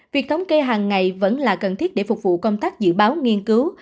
việc thống kê hàng ngày vẫn là cần thiết để phục vụ công tác dự báo nghiên cứu